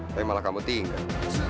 tapi malah kamu tinggal